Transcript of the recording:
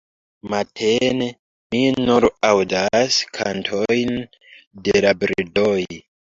Matene, mi nur aŭdas kantojn de la birdoj.